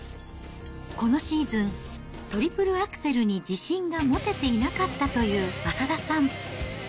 このシーズン、トリプルアクセルに自信が持てていなかったという浅田さん。